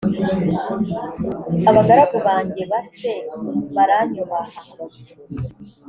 abagaragu banjye base baranyubaha